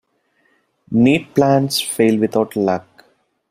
Neat plans fail without luck.